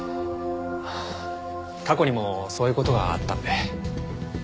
過去にもそういう事があったんで。